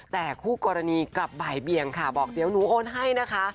แต่คู่กรณีกลับบ่ายเบียงค่ะบอกเดี๋ยวหนูโอนให้นะคะ